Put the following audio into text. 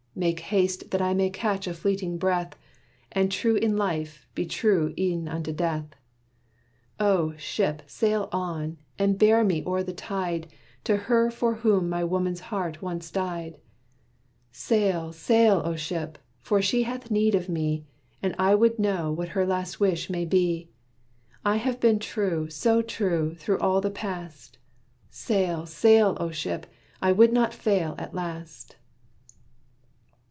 Make haste that I may catch a fleeting breath! And true in life, be true e'en unto death. "O, ship, sail on! and bear me o'er the tide To her for whom my woman's heart once died. Sail, sail, O, ship! for she hath need of me, And I would know what her last wish may be! I have been true, so true, through all the past, Sail, sail, O, ship! I would not fail at last."